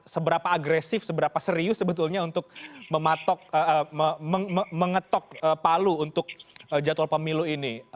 seberapa agresif seberapa serius sebetulnya untuk mengetok palu untuk jadwal pemilu ini